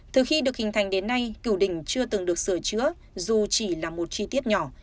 từ khi được hình thành đến nay cửu đỉnh chưa từng được sửa chữa dù chỉ là một chi tiết nhỏ